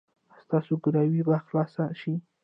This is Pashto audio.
ایا ستاسو ګروي به خلاصه شي؟